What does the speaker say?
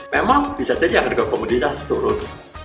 memang bisa jadi harga komunitas turun